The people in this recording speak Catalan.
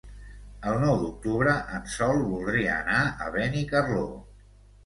El nou d'octubre en Sol voldria anar a Benicarló.